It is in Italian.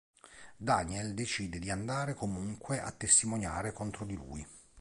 Daniel decide di andare comunque a testimoniare contro di lui.